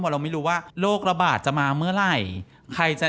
เราไม่รู้ว่าโรคระบาดจะมาเมื่อไหร่